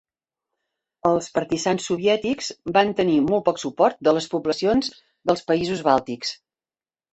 Els partisans soviètics van tenir molt poc suport de les poblacions dels països bàltics.